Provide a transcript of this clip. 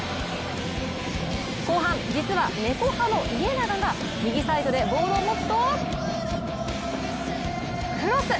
後半、実はネコ派の家長が右サイドでボールを持つとクロス！